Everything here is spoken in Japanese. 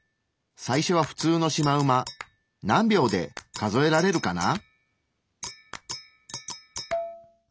最初は普通のシマウマ何秒で数えられるかな？